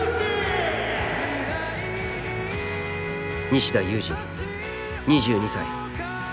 西田有志２２歳。